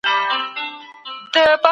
او لوړو څوکو ته ورسیږئ.